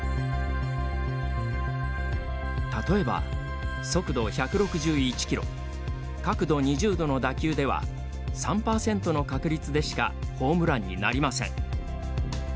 例えば、速度１６１キロ角度２０度の打球では３％の確率でしかホームランになりません。